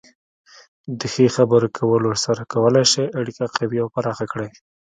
د ښې خبرې کولو سره کولی شئ اړیکه قوي او پراخه کړئ.